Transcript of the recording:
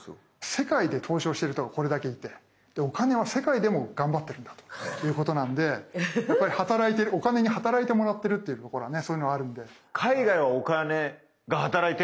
世界で投資をしている人がこれだけいてお金は世界でも頑張ってるんだということなんでお金に働いてもらってるっていうところはねそういうのはあるんで。